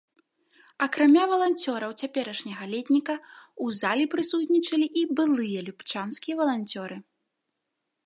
Акрамя валанцёраў цяперашняга летніка, у залі прысутнічалі і былыя любчанскія валанцёры.